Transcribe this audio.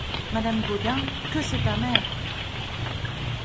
Madame Gaudin Que c'est amer !